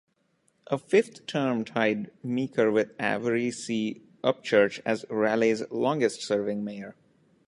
A fifth term tied Meeker with Avery C. Upchurch as Raleigh's longest-serving mayor.